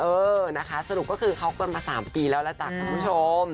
เออนะคะสรุปก็คือเขากันมา๓ปีแล้วแล้วจ้ะคุณผู้ชม